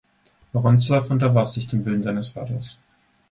Woronzow unterwarf sich dem Willen seines Vaters.